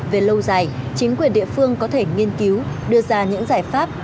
về lâu dài chính quyền địa phương có thể nghiên cứu đưa ra những giải pháp